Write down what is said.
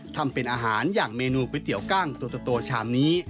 ทำเป็นอาหารอย่างเมนูก๋วยเตี๋ยวกั้งตัวชามนี้